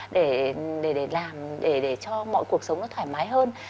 để làm để cho mọi cuộc sống nó thoải mái hơn